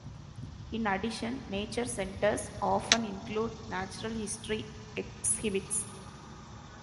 In addition, nature centers often include natural-history exhibits.